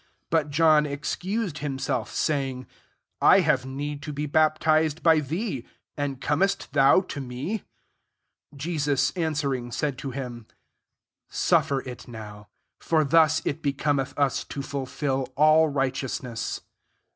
14 But John excused himself, saying, '^ I have need to be baptized by thee, and comest thou to me ?*' 15 Jesus answering, said to him, <* Suffer ii now : for thus it becometh us to fulfil all righteousness."